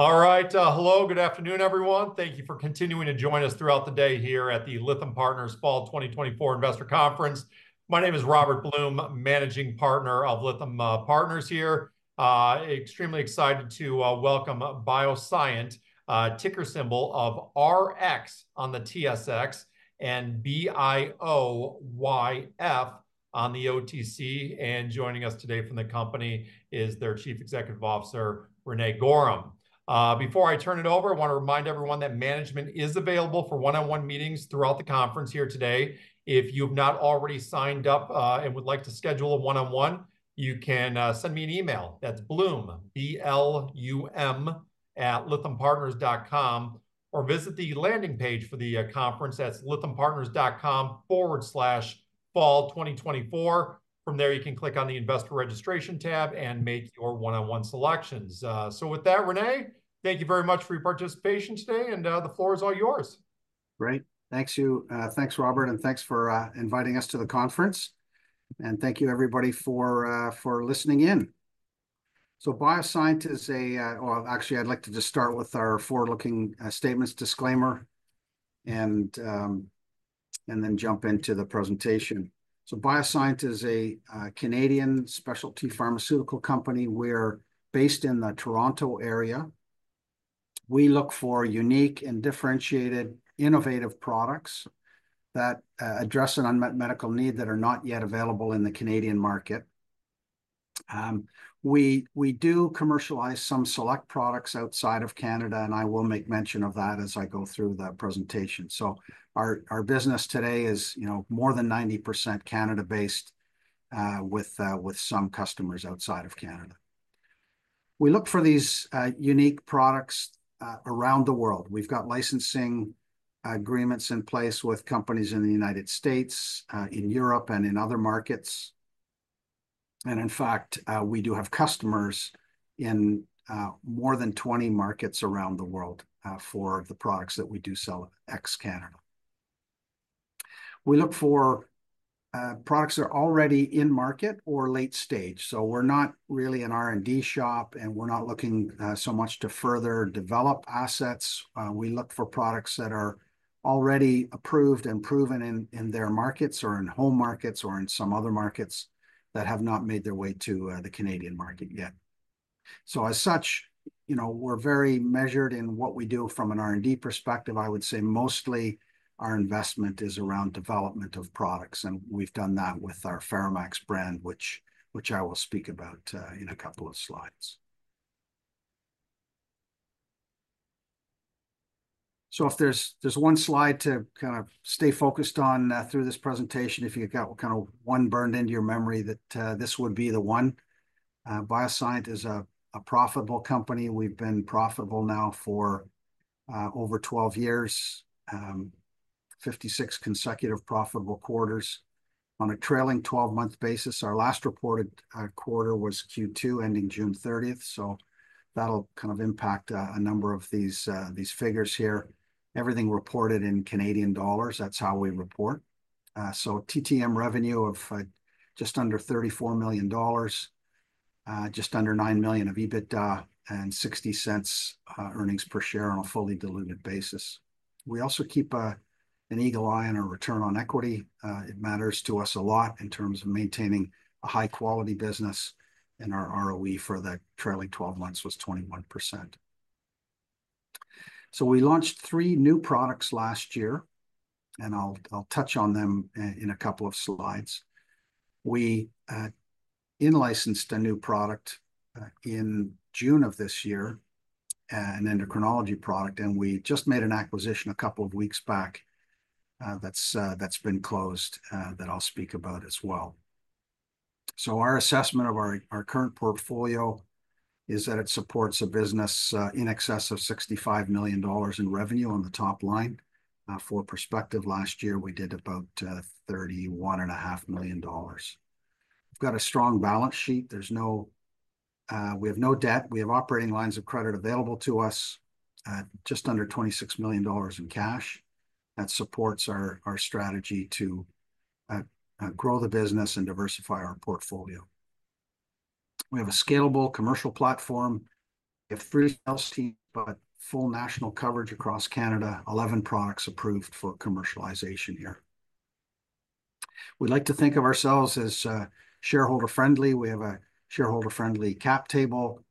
All right, hello, good afternoon, everyone. Thank you for continuing to join us throughout the day here at the Lytham Partners Fall 2024 Investor Conference. My name is Robert Blum, managing partner of Lytham Partners here. Extremely excited to welcome BioSyent, ticker symbol of RX on the TSX, and BIOYF on the OTC, and joining us today from the company is their chief executive officer, René Goehrum. Before I turn it over, I want to remind everyone that management is available for one-on-one meetings throughout the conference here today. If you've not already signed up and would like to schedule a one-on-one, you can send me an email. That's Blum, B-L-U-M, @lythampartners.com, or visit the landing page for the conference. That's lythampartners.com/fall2024. From there, you can click on the Investor Registration tab and make your one-on-one selections. So with that, René, thank you very much for your participation today, and the floor is all yours. Great. Thank you, thanks, Robert, and thanks for inviting us to the conference. And thank you, everybody, for listening in. BioSyent is a, well, actually, I'd like to just start with our forward-looking statements disclaimer, and then jump into the presentation, so BioSyent is a Canadian specialty pharmaceutical company. We're based in the Toronto area. We look for unique and differentiated innovative products that address an unmet medical need that are not yet available in the Canadian market. We do commercialize some select products outside of Canada, and I will make mention of that as I go through the presentation, so our business today is, you know, more than 90% Canada-based, with some customers outside of Canada. We look for these unique products around the world. We've got licensing agreements in place with companies in the United States, in Europe, and in other markets, and in fact, we do have customers in more than 20 markets around the world for the products that we do sell ex-Canada. We look for products that are already in market or late stage, so we're not really an R&D shop, and we're not looking so much to further develop assets. We look for products that are already approved and proven in their markets or in home markets or in some other markets that have not made their way to the Canadian market yet, so as such, you know, we're very measured in what we do from an R&D perspective. I would say mostly our investment is around development of products, and we've done that with our FeraMAX brand, which I will speak about in a couple of slides. So if there's one slide to kind of stay focused on through this presentation, if you've got kind of one burned into your memory, that this would be the one. BioSyent is a profitable company. We've been profitable now for over 12 years, 56 consecutive profitable quarters on a trailing 12-month basis. Our last reported quarter was Q2, ending June 30th, so that'll kind of impact a number of these figures here. Everything reported in Canadian dollars, that's how we report. So TTM revenue of just under 34 million dollars, just under 9 million of EBITDA, and 0.60 earnings per share on a fully diluted basis. We also keep an eagle eye on our return on equity. It matters to us a lot in terms of maintaining a high-quality business, and our ROE for the trailing 12 months was 21%. We launched three new products last year, and I'll touch on them in a couple of slides. We in-licensed a new product in June of this year, an endocrinology product, and we just made an acquisition a couple of weeks back that's been closed that I'll speak about as well. Our assessment of our current portfolio is that it supports a business in excess of 65 million dollars in revenue on the top line. For perspective, last year, we did about 31.5 million dollars. We've got a strong balance sheet. We have no debt. We have operating lines of credit available to us at just under 26 million dollars in cash. That supports our strategy to grow the business and diversify our portfolio. We have a scalable commercial platform. We have three sales teams, but full national coverage across Canada, 11 products approved for commercialization here. We like to think of ourselves as shareholder-friendly. We have a shareholder-friendly cap table.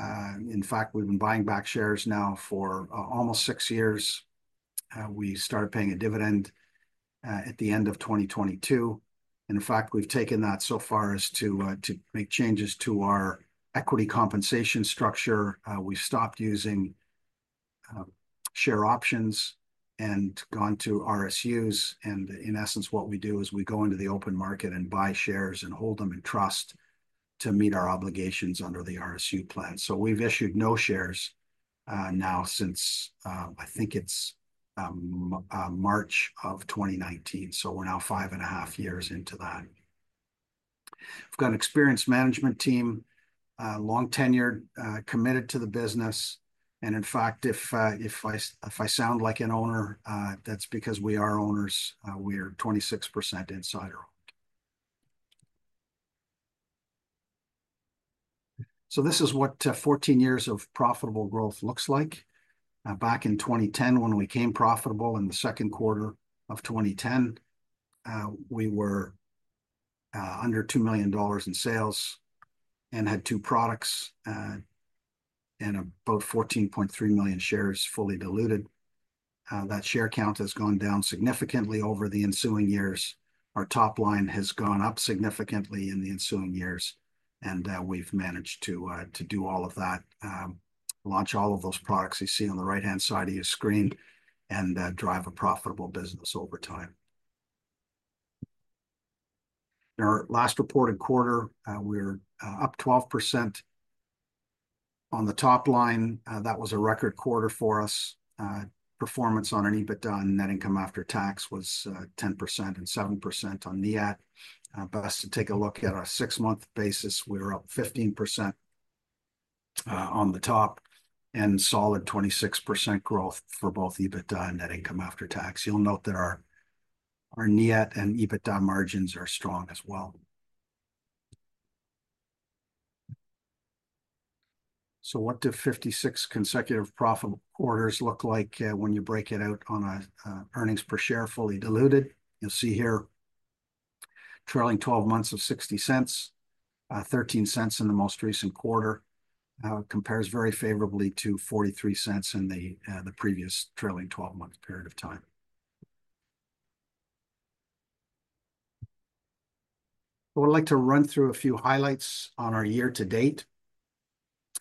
In fact, we've been buying back shares now for almost six years. We started paying a dividend at the end of 2022, and in fact, we've taken that so far as to make changes to our equity compensation structure. We stopped using share options and gone to RSUs, and in essence, what we do is we go into the open market and buy shares and hold them in trust to meet our obligations under the RSU plan. So we've issued no shares now since I think it's March of 2019, so we're now five and a half years into that. We've got an experienced management team long-tenured committed to the business, and in fact, if I sound like an owner, that's because we are owners. We're 26% insider owners. So this is what 14 years of profitable growth looks like. Back in 2010, when we became profitable in the second quarter of 2010, we were under 2 million dollars in sales and had two products and about 14.3 million shares, fully diluted. That share count has gone down significantly over the ensuing years. Our top line has gone up significantly in the ensuing years, and we've managed to do all of that, launch all of those products you see on the right-hand side of your screen, and drive a profitable business over time. In our last reported quarter, we're up 12% on the top line. That was a record quarter for us. Performance on an EBITDA and net income after tax was 10% and 7% on NIAT. But take a look at our six-month basis, we're up 15% on the top, and solid 26% growth for both EBITDA and net income after tax. You'll note that our Niat and EBITDA margins are strong as well. So what do 56 consecutive profitable quarters look like when you break it out on a earnings per share, fully diluted? You'll see here, trailing 12 months of 0.60, 13 cents in the most recent quarter, compares very favorably to 43 cents in the previous trailing 12-month period of time. I would like to run through a few highlights on our year to date.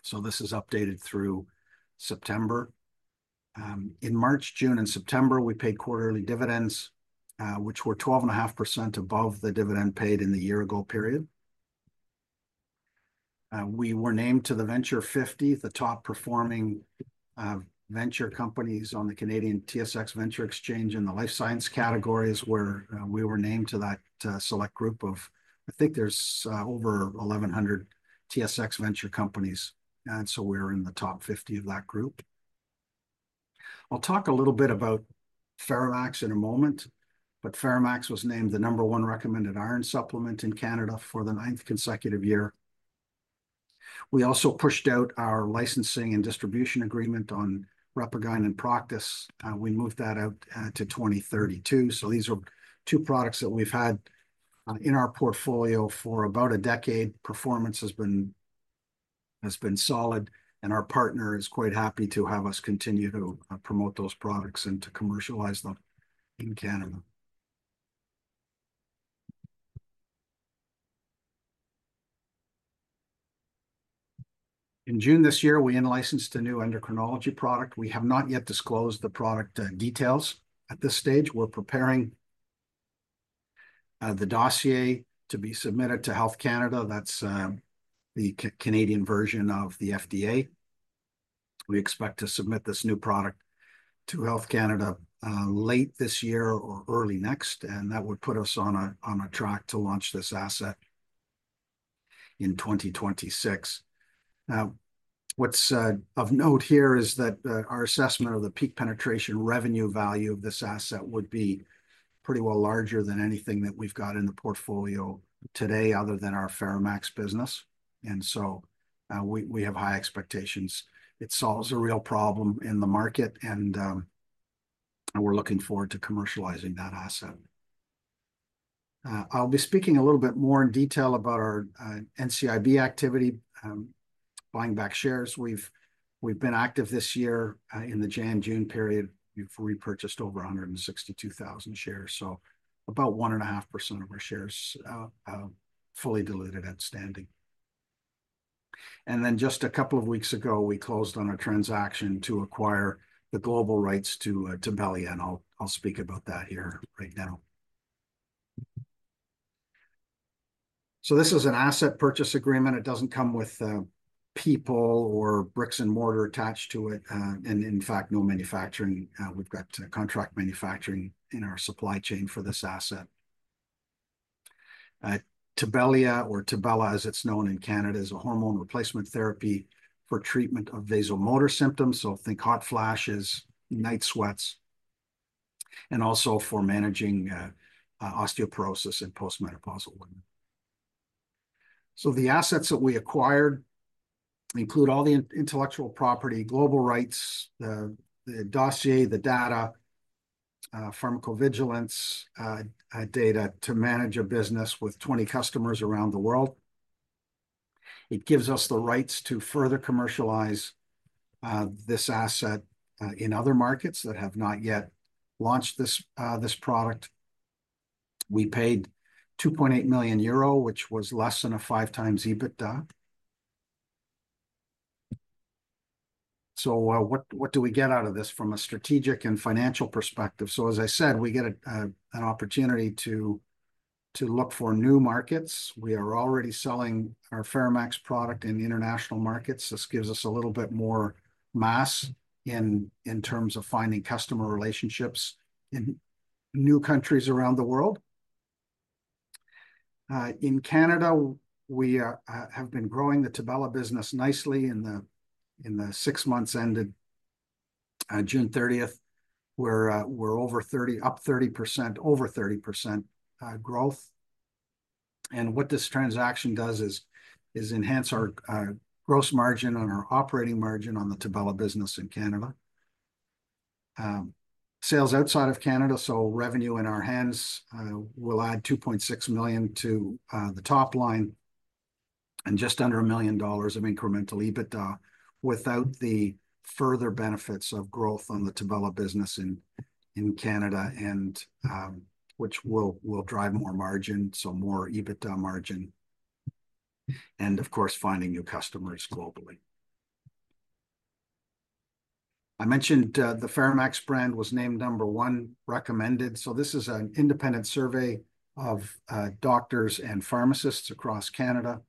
So this is updated through September. In March, June, and September, we paid quarterly dividends, which were 12.5% above the dividend paid in the year ago period. We were named to the Venture 50, the top-performing venture companies on the Canadian TSX Venture Exchange in the life science categories, where we were named to that select group of I think there's over 1,100 TSX Venture companies, and so we're in the top fifty of that group. I'll talk a little bit about FeraMAX in a moment, but FeraMAX was named the number one recommended iron supplement in Canada for the ninth consecutive year. We also pushed out our licensing and distribution agreement on RepaGyn and Proktis. We moved that out to 32. So these are two products that we've had in our portfolio for about a decade. Performance has been solid, and our partner is quite happy to have us continue to promote those products and to commercialize them in Canada. In June this year, we in-licensed a new endocrinology product. We have not yet disclosed the product details at this stage. We're preparing the dossier to be submitted to Health Canada, that's the Canadian version of the FDA. We expect to submit this new product to Health Canada late this year or early next, and that would put us on a track to launch this asset in 2026. Now, what's of note here is that our assessment of the peak penetration revenue value of this asset would be pretty well larger than anything that we've got in the portfolio today, other than our FeraMAX business, and so we have high expectations. It solves a real problem in the market, and we're looking forward to commercializing that asset. I'll be speaking a little bit more in detail about our NCIB activity, buying back shares. We've been active this year. In the January-June period, we've repurchased over 162,000 shares, so about 1.5% of our shares, fully diluted, outstanding. Then, just a couple of weeks ago, we closed on a transaction to acquire the global rights to Tibella, and I'll speak about that here right now. This is an asset purchase agreement. It doesn't come with people or bricks and mortar attached to it, and in fact, no manufacturing. We've got contract manufacturing in our supply chain for this asset. Tibella, as it's known in Canada, is a hormone replacement therapy for treatment of vasomotor symptoms, so think hot flashes, night sweats, and also for managing osteoporosis in post-menopausal women. The assets that we acquired include all the intellectual property, global rights, the dossier, the data, pharmacovigilance data to manage a business with 20 customers around the world. It gives us the rights to further commercialize this asset in other markets that have not yet launched this product. We paid 2.8 million euro, which was less than a five times EBITDA. What do we get out of this from a strategic and financial perspective? As I said, we get an opportunity to look for new markets. We are already selling our FeraMAX product in the international markets. This gives us a little bit more mass in terms of finding customer relationships in new countries around the world. In Canada, we have been growing the Tibella business nicely in the six months ended on June 30th. We're over 30%, up 30%, over 30% growth. What this transaction does is enhance our gross margin and our operating margin on the Tibella business in Canada. Sales outside of Canada, so revenue in our hands, will add 2.6 million to the top line, and just under 1 million dollars of incremental EBITDA, without the further benefits of growth on the Tibella business in Canada, and which will drive more margin, so more EBITDA margin, and of course, finding new customers globally. I mentioned, the FeraMAX brand was named number one recommended, so this is an independent survey of, doctors and pharmacists across Canada.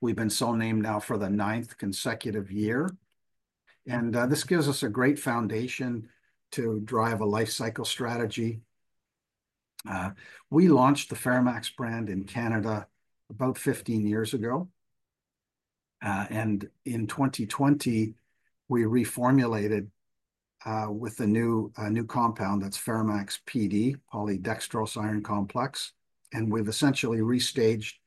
We've been so named now for the ninth consecutive year, and, this gives us a great foundation to drive a life cycle strategy. We launched the FeraMAX brand in Canada about 15 years ago, and in 2020, we reformulated with a new compound that's FeraMAX Pd, polydextrose iron complex, and we've essentially re-staged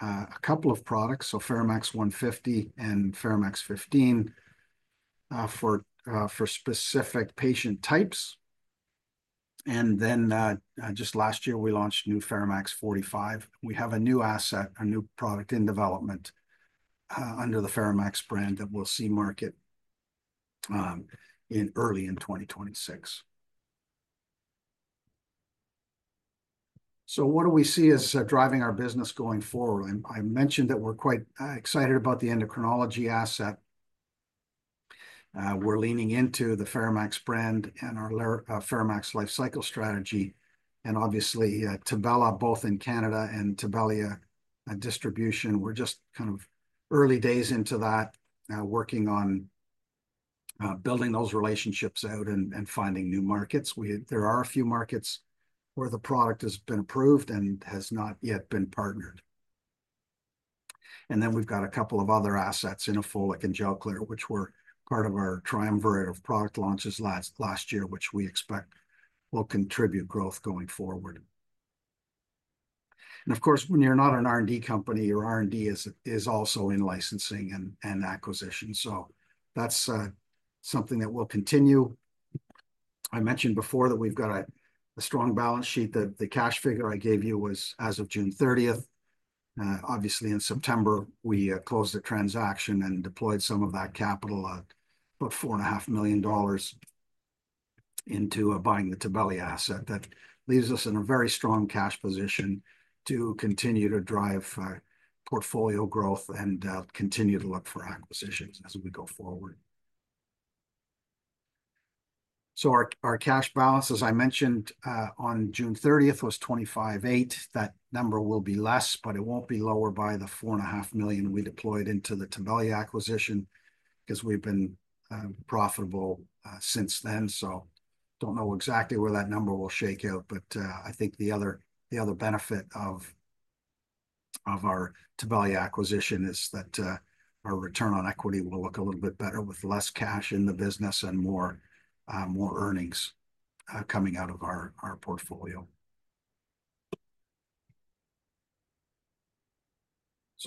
a couple of products, so FeraMAX 150 and FeraMAX 15 for specific patient types, and then just last year, we launched new FeraMAX 45. We have a new asset, a new product in development under the FeraMAX brand that will see market in early 2026, so what do we see as driving our business going forward? And I mentioned that we're quite excited about the endocrinology asset. We're leaning into the FeraMAX brand and our FeraMAX lifecycle strategy and obviously, Tibella, both in Canada and Tibella distribution. We're just kind of early days into that, working on building those relationships out and finding new markets. There are a few markets where the product has been approved and has not yet been partnered. And then we've got a couple of other assets in Folic and Gelclair, which were part of our triumvirate of product launches last year, which we expect will contribute growth going forward. And of course, when you're not an R&D company, your R&D is also in licensing and acquisition, so that's something that will continue. I mentioned before that we've got a strong balance sheet. The cash figure I gave you was as of June 30th. Obviously, in September, we closed the transaction and deployed some of that capital, about 4.5 million dollars into buying the Tibella asset. That leaves us in a very strong cash position to continue to drive portfolio growth and continue to look for acquisitions as we go forward. So our cash balance, as I mentioned, on June 30th, was 25.8 million. That number will be less, but it won't be lower by the 4.5 million we deployed into the Tibella acquisition, 'cause we've been profitable since then. I don't know exactly where that number will shake out, but I think the other benefit of our Tibella acquisition is that our return on equity will look a little bit better with less cash in the business and more earnings coming out of our portfolio.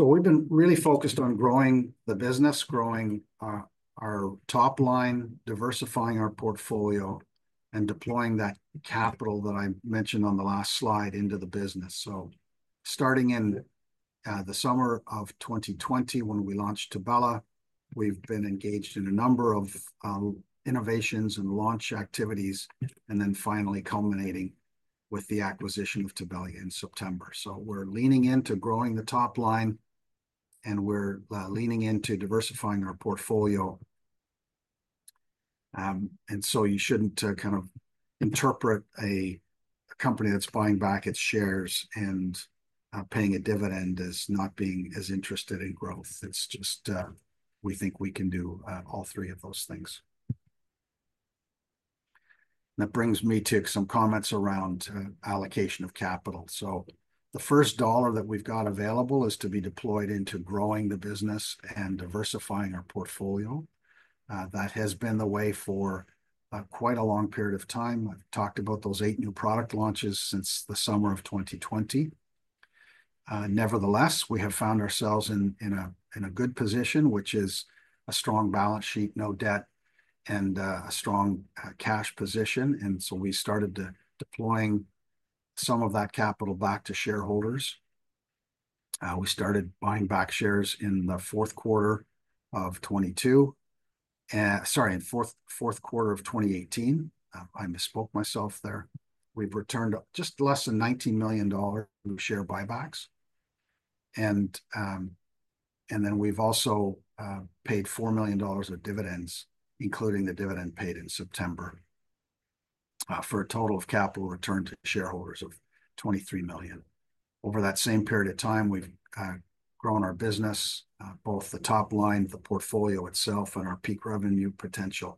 We've been really focused on growing the business, growing our top line, diversifying our portfolio, and deploying that capital that I mentioned on the last slide into the business. Starting in the summer of 2020, when we launched Tibella, we've been engaged in a number of innovations and launch activities, and then finally culminating with the acquisition of Tibella in September. We're leaning into growing the top line, and we're leaning into diversifying our portfolio. And so you shouldn't kind of interpret a company that's buying back its shares and paying a dividend as not being as interested in growth. It's just, we think we can do all three of those things. That brings me to some comments around allocation of capital. So the first dollar that we've got available is to be deployed into growing the business and diversifying our portfolio. That has been the way for quite a long period of time. I've talked about those eight new product launches since the summer of 2020. Nevertheless, we have found ourselves in a good position, which is a strong balance sheet, no debt, and a strong cash position, and so we started deploying some of that capital back to shareholders. We started buying back shares in the fourth quarter of 2022, sorry, in fourth quarter of 2018. I misspoke myself there. We've returned just less than 19 million dollar through share buybacks. And then we've also paid 4 million dollars of dividends, including the dividend paid in September, for a total of capital returned to shareholders of 23 million. Over that same period of time, we've grown our business both the top line, the portfolio itself, and our peak revenue potential,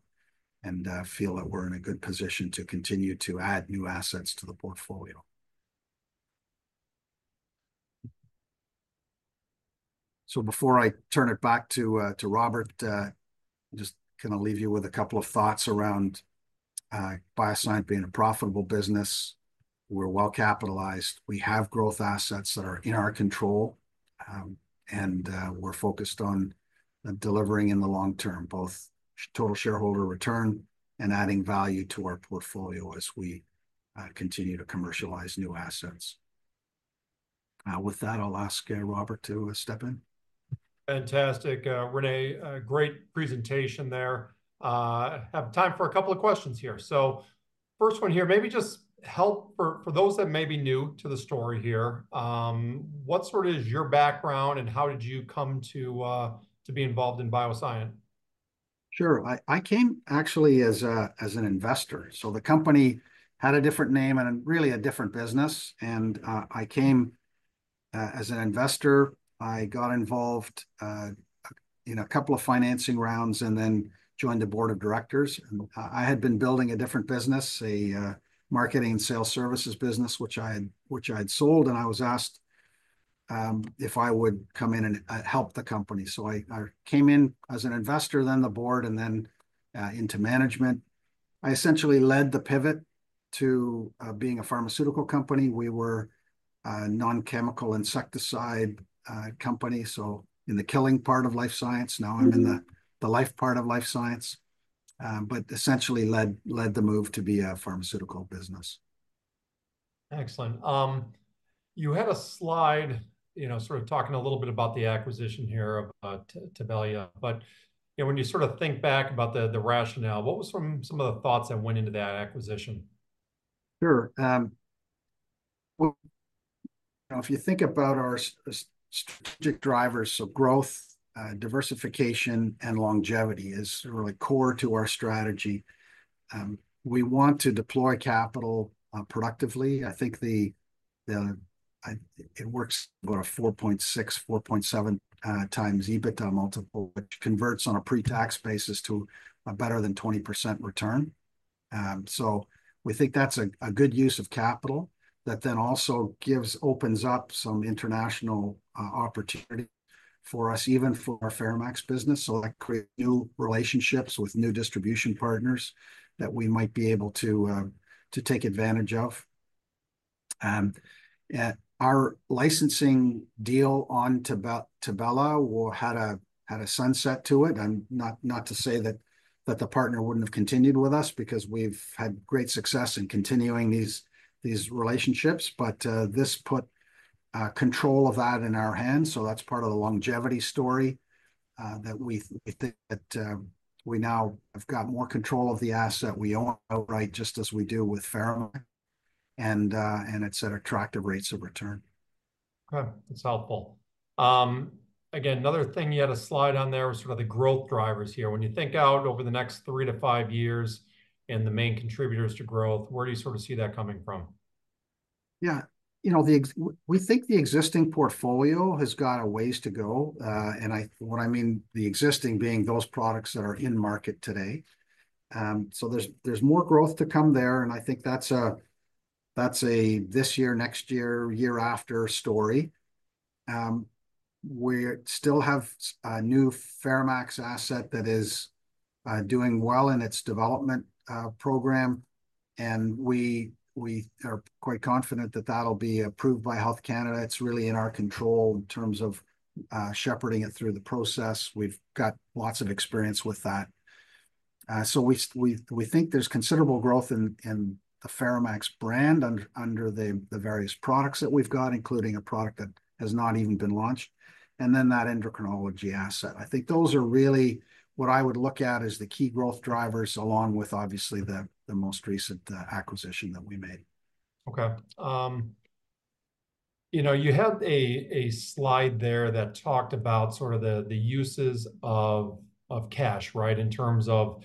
and feel that we're in a good position to continue to add new assets to the portfolio. So before I turn it back to Robert, just kind of leave you with a couple of thoughts around BioSyent being a profitable business. We're well-capitalized. We have growth assets that are in our control, and we're focused on delivering in the long term, both total shareholder return and adding value to our portfolio as we continue to commercialize new assets. With that, I'll ask Robert to step in. Fantastic, René, a great presentation there. Have time for a couple of questions here. So first one here, maybe just help, for those that may be new to the story here, what sort of is your background, and how did you come to, to be involved in BioSyent? Sure. I came actually as an investor, so the company had a different name and really a different business, and I came as an investor. I got involved in a couple of financing rounds and then joined the board of directors, and I had been building a different business, a marketing and sales services business, which I had, which I'd sold, and I was asked if I would come in and help the company, so I came in as an investor, then the board, and then into management. I essentially led the pivot to being a pharmaceutical company. We were a non-chemical insecticide company, so in the killing part of life science. Mm-hmm. Now I'm in the life part of life science, but essentially led the move to be a pharmaceutical business. Excellent. You had a slide, you know, sort of talking a little bit about the acquisition here of Tibella, but, you know, when you sort of think back about the rationale, what was some of the thoughts that went into that acquisition? Sure. Well, now if you think about our strategic drivers, so growth, diversification, and longevity is really core to our strategy. We want to deploy capital productively. I think it works about a 4.6-4.7 times EBITDA multiple, which converts on a pre-tax basis to a better than 20% return. So we think that's a good use of capital that then also opens up some international opportunity for us, even for our FeraMAX business, so, like, create new relationships with new distribution partners that we might be able to take advantage of. And our licensing deal on Tibella had a sunset to it, and not to say that the partner wouldn't have continued with us because we've had great success in continuing these relationships, but this put control of that in our hands. So that's part of the longevity story that we think that we now have got more control of the asset we own outright, just as we do with FeraMAX, and it's at attractive rates of return. Okay, that's helpful. Again, another thing you had a slide on there was sort of the growth drivers here. When you think out over the next three to five years and the main contributors to growth, where do you sort of see that coming from? Yeah. You know, we think the existing portfolio has got a ways to go, and I... What I mean, the existing being those products that are in market today. So there's more growth to come there, and I think that's a this year, next year, year after story. We still have a new FeraMAX asset that is doing well in its development program, and we are quite confident that that'll be approved by Health Canada. It's really in our control in terms of shepherding it through the process. We've got lots of experience with that. So we think there's considerable growth in the FeraMAX brand under the various products that we've got, including a product that has not even been launched, and then that endocrinology asset. I think those are really what I would look at as the key growth drivers, along with obviously the most recent acquisition that we made. Okay. You know, you had a slide there that talked about sort of the uses of cash, right, in terms of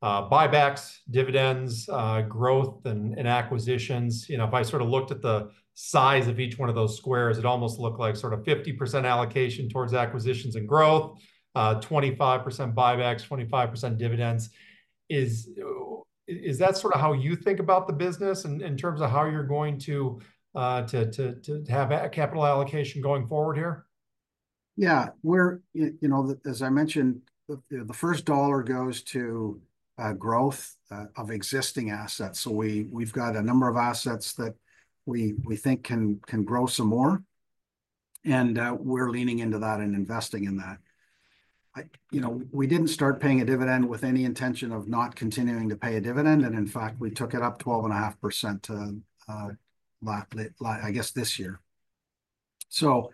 buybacks, dividends, growth, and acquisitions. You know, if I sort of looked at the size of each one of those squares, it almost looked like sort of 50% allocation towards acquisitions and growth, 25% buybacks, 25% dividends. Is that sort of how you think about the business in terms of how you're going to have a capital allocation going forward here? Yeah. You know, as I mentioned, the first dollar goes to growth of existing assets. So we've got a number of assets that we think can grow some more, and we're leaning into that and investing in that. You know, we didn't start paying a dividend with any intention of not continuing to pay a dividend, and in fact, we took it up 12.5% to, I guess this year. So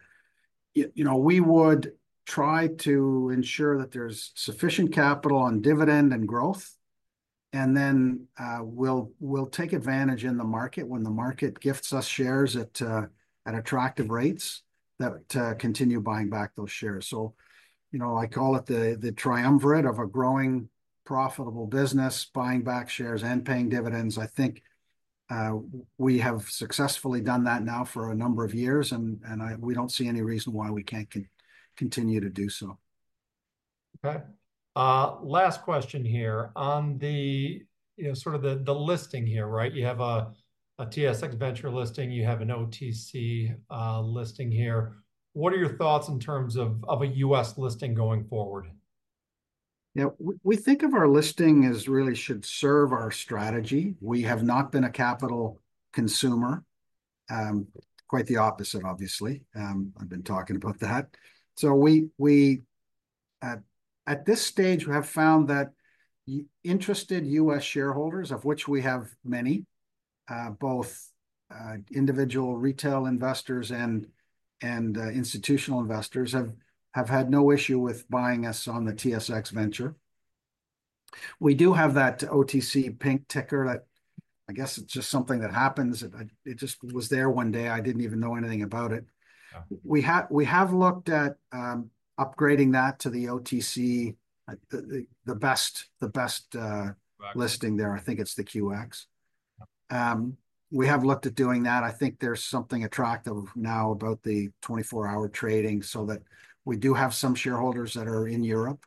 you know, we would try to ensure that there's sufficient capital on dividend and growth, and then we'll take advantage in the market when the market gifts us shares at attractive rates to continue buying back those shares. So you know, I call it the triumvirate of a growing, profitable business, buying back shares and paying dividends. I think we have successfully done that now for a number of years, and we don't see any reason why we can't continue to do so.... Okay, last question here. On the, you know, sort of the, the listing here, right? You have a, a TSX Venture listing, you have an OTC listing here. What are your thoughts in terms of, of a U.S. listing going forward? Yeah, we think of our listing as really should serve our strategy. We have not been a capital consumer, quite the opposite, obviously. I've been talking about that. So we at this stage have found that interested U.S. shareholders, of which we have many, both individual retail investors and institutional investors, have had no issue with buying us on the TSX Venture. We do have that OTC Pink ticker, that I guess it's just something that happens. It just was there one day, I didn't even know anything about it. Yeah. We have looked at upgrading that to the OTC, the best. Right ...listing there, I think it's the QX. We have looked at doing that. I think there's something attractive now about the 24-hour trading, so that we do have some shareholders that are in Europe,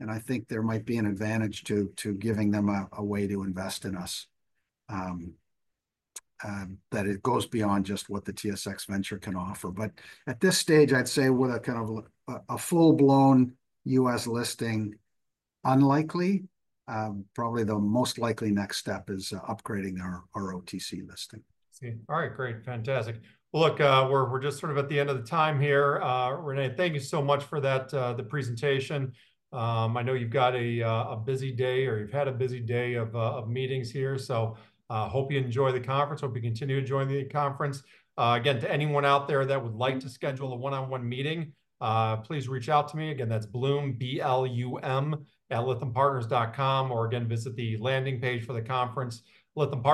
and I think there might be an advantage to giving them a way to invest in us, that it goes beyond just what the TSX Venture can offer. But at this stage, I'd say would a kind of a full-blown U.S. listing, unlikely. Probably the most likely next step is upgrading our OTC listing. I see. All right, great. Fantastic. Well, look, we're just sort of at the end of the time here. René, thank you so much for that, the presentation. I know you've got a busy day or you've had a busy day of meetings here, so hope you enjoy the conference. Hope you continue to enjoy the conference. Again, to anyone out there that would like to schedule a one-on-one meeting, please reach out to me. Again, that's Blum, B-L-U-M @lythampartners.com, or, again, visit the landing page for the conference, Lytham Partners.